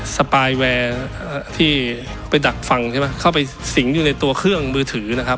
สปายแวร์ที่ไปดักฟังใช่ไหมเข้าไปสิงอยู่ในตัวเครื่องมือถือนะครับ